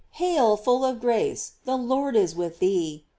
"Hail, full of grace, the Lord is with thee